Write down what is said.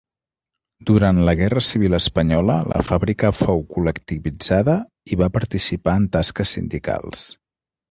Durant la guerra civil espanyola la fàbrica fou col·lectivitzada i va participar en tasques sindicals.